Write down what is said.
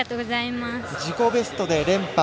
自己ベストで連覇。